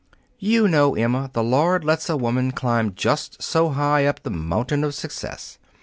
You know, Emma, the Lord lets a woman climb just so high up the mountain of success.